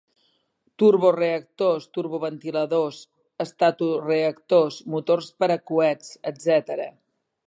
turboreactors, turboventiladors, estatoreactors, motors per a coets, etc.